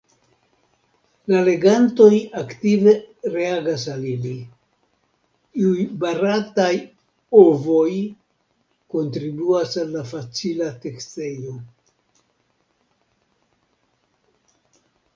La legantoj aktive reagas al ili; iuj barataj “ovoj” kontribuas al la facila tekstejo.